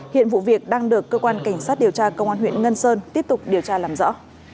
hiện vụ việc đang được cơ quan cảnh sát điều tra công an huyện ngân sơn tiếp tục điều tra làm rõ